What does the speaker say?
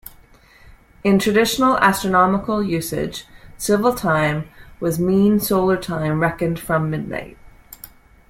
In traditional astronomical usage, civil time was mean solar time reckoned from midnight.